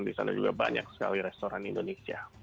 di sana juga banyak sekali restoran indonesia